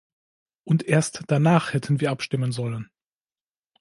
Und erst danach hätten wir abstimmen sollen.